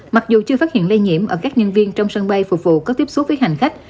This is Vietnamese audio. mặc dù chưa phát hiện lây nhiễm ở các nhân viên trong sân bay phục vụ có tiếp xúc với hành khách